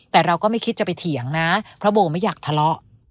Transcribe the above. แต่เราก็ไม่คิดจะไปเถียงนะเพราะโบไม่อยากทะเลาะ